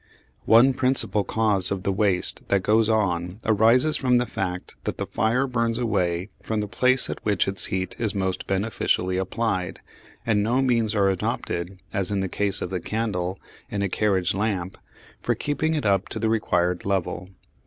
One principal cause of the waste that goes on arises from the fact that the fire burns away from the place at which its heat is most beneficially applied, and no means are adopted, as in the case of the candle in a carriage lamp, for keeping it up to the required level.